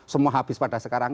semua habis pada sekarang